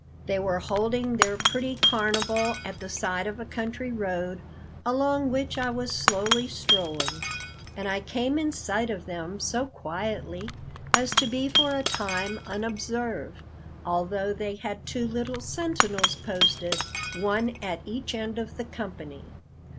"They were holding their pretty carnival at the side of a country road along which I was slowly strolling, and I came in sight of them so quietly as to be for a time unobserved, although they had two little sentinels posted one at each end of the company.